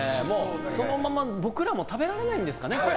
そのまま僕らも食べられないんですかね。